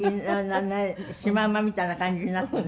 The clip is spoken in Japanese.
シマウマみたいな感じになって。